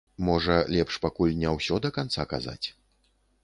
Можа, лепш пакуль не ўсё да канца казаць?